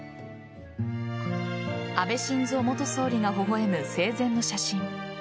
安倍晋三元総理が微笑む生前の写真。